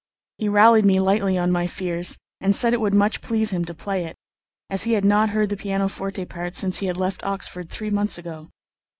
He rallied me lightly on my fears, and said it would much please him to play it, as he had not heard the pianoforte part since he had left Oxford three months ago.